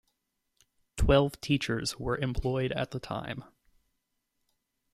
Twelve teachers were employed at the time.